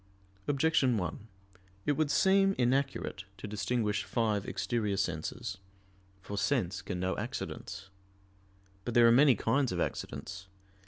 Objection 1: It would seem inaccurate to distinguish five exterior senses. For sense can know accidents. But there are many kinds of accidents.